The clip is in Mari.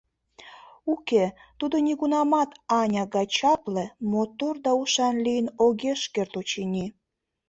Уке, тудо нигунамат Аня гай чапле, мотор да ушан лийын огеш керт, очыни.